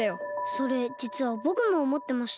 それじつはぼくもおもってました。